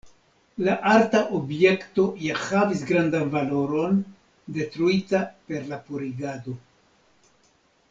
La arta objekto ja havis grandan valoron, detruita per la purigado.